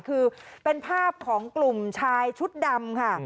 คือเป็นภาพของกลุ่มชายชุดดำค่ะ